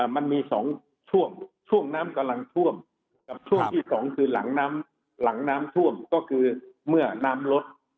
มันมี๒ช่วงช่วงน้ำกำลังท่วมกับช่วงที่สองคือหลังน้ำหลังน้ำท่วมก็คือเมื่อน้ำลด